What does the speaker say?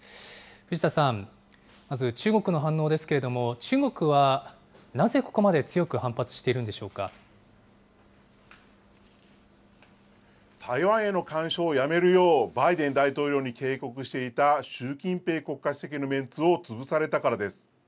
藤田さん、まず中国の反応ですけれども、中国はなぜここまで強く台湾への干渉をやめるよう、バイデン大統領に警告していた習近平国家主席のメンツを潰されたからです。